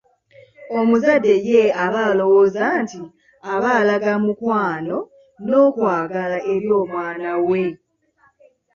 Omuzadde ye aba alowooza nti aba alaga mukwano n'okwagala eri omwana we.